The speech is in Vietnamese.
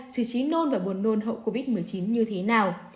hai sự trí nôn và buồn nôn hậu covid một mươi chín như thế nào